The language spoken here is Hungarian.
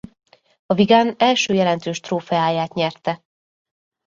A Wigan első jelentős trófeáját nyerte.